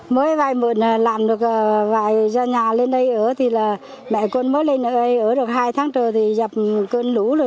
mới vay mượn làm được vài nhà lên đây ở thì là mẹ con mới lên ở đây ở được hai tháng trở thì gặp cơn lũ rồi